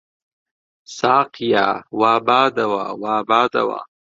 ساقییا! وا بادەوە، وا بادەوە